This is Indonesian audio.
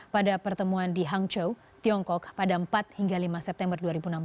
pada pertemuan di hangzhou tiongkok pada empat hingga lima september dua ribu enam belas